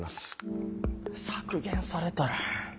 削減されたら。